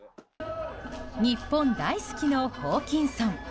日本大好きのホーキンソン。